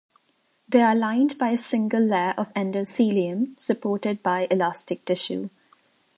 They are lined by a single layer of endothelium supported by elastic tissue.